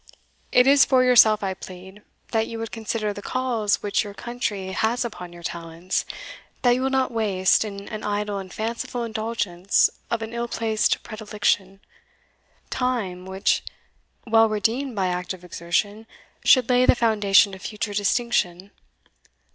It is for yourself I plead, that you would consider the calls which your country has upon your talents that you will not waste, in an idle and fanciful indulgence of an ill placed predilection, time, which, well redeemed by active exertion, should lay the foundation of future distinction.